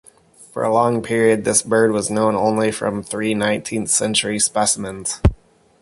For a long period this bird was known only from three nineteenth-century specimens.